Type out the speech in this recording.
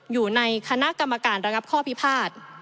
อยู่ในคณะกรรมการระงับข้อพิพาท